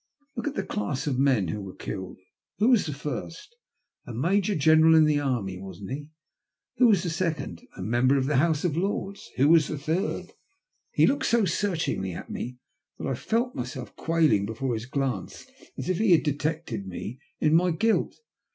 Look at the class of men who were killed. Who was the first ? A Major General in the army, wasn't he? Who was the second ? A member of the House of Lords. Who was the third ?" He looked so searchingly at me that I felt myself quailing before his glance as if he had detected me in my guilt.